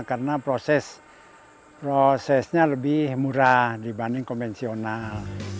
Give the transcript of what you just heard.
karena prosesnya lebih murah dibanding konvensional